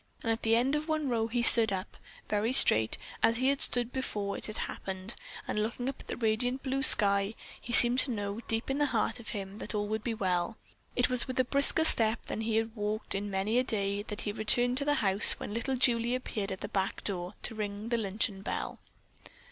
At the end of one row he stood up, very straight as he had stood before it had all happened, and looking up into the radiant blue sky, he seemed to know, deep in the heart of him, that all would be well. It was with a brisker step than he had walked in many a day that he returned to the house, when little Julie appeared at the back door to ring the luncheon bell.